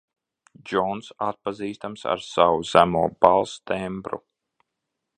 Džonss atpazīstams ar savu zemo balss tembru.